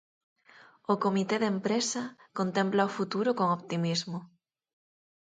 O comité de empresa contempla o futuro con optimismo.